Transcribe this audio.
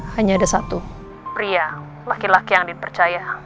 hanya ada satu pria laki laki yang dipercaya